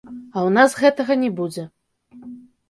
А ў нас гэтага не будзе.